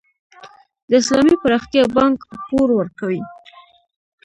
د اسلامي پراختیا بانک پور ورکوي؟